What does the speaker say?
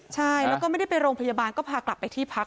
ใช่แล้วก็ไม่ได้ไปโรงพยาบาลก็พากลับไปที่พัก